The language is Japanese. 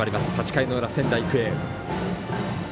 ８回の裏、仙台育英。